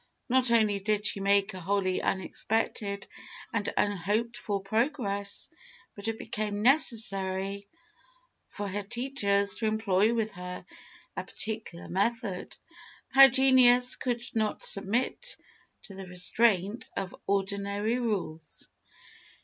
Not only did she make a wholly unexpected and unhoped for progress, but it became necessary for her teachers to employ with her a particular method: her genius could not submit to the restraint of ordinary rules."